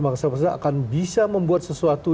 bangsa bangsa akan bisa membuat sesuatu